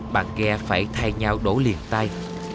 bạn ghe phải thay nhau đổ liền tay